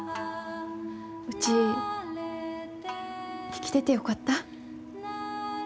うち生きててよかった。